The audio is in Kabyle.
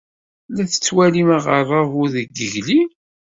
La tettwalim aɣerrabu deg yigli?